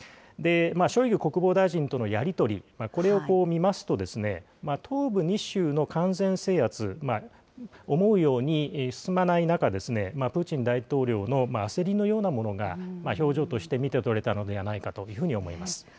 ショイグ国防大臣とのやり取り、これを見ますと、東部２州の完全制圧、思うように進まない中、プーチン大統領の焦りのようなものが、表情として見て取れたのではないかというふうに思います。